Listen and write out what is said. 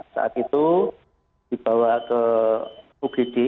saat itu dibawa ke ugd